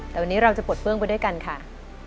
แต่วันนี้เราจะปลดเปื้องไปด้วยกันค่ะ